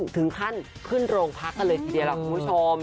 ถึงขั้นขึ้นโรงพักกันเลยทีเดียวล่ะคุณผู้ชม